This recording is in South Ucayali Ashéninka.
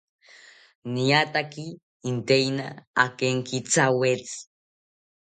Niataki inteina akenkithawetzi